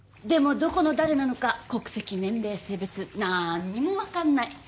でもどこの誰なのか国籍年齢性別なんにも分かんない。